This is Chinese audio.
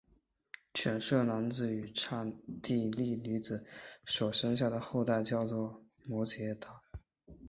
吠舍男子与刹帝利女子所生下的后代叫做摩偈闼。